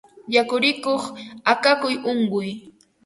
Yakurikuq akakuy unquy